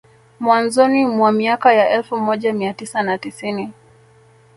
Mwanzoni mwa miaka ya elfu moja mia tisa na tisini